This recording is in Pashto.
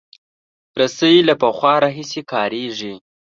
رسۍ له پخوا راهیسې کارېږي.